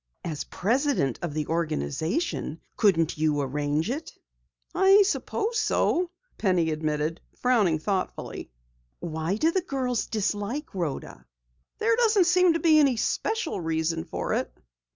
"As president of the organization, couldn't you arrange it?" "I suppose so," Penny admitted, frowning thoughtfully. "Why do the girls dislike Rhoda?" "There doesn't seem to be any special reason for it."